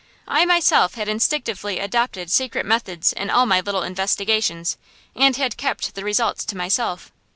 I myself had instinctively adopted secret methods in all my little investigations, and had kept the results to myself.